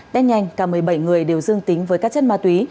tết nhanh cả một mươi bảy người đều dương tính với các chất ma túy